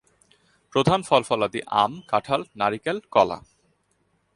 প্রধান ফল-ফলাদি আম, কাঁঠাল, নারিকেল, কলা।